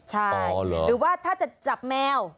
ใช่หรือว่าถ้าจะจับแมว